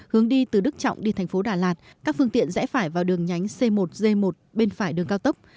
hướng đi từ đức trọng đi thành phố đà lạt các phương tiện rẽ phải vào đường nhánh c một g một bên phải đường cao tốc